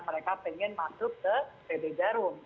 mereka ingin masuk ke pb jarum